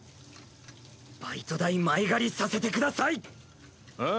バイト代前借りさせてください！